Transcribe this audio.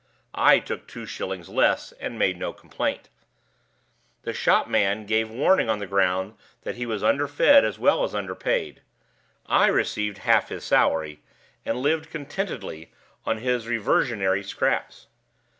I took two shillings less, and made no complaint. The shop man gave warning on the ground that he was underfed as well as underpaid. I received half his salary, and lived contentedly on his reversionary scraps.